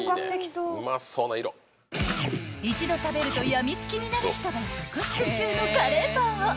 ［一度食べると病みつきになる人が続出中のカレーパンを］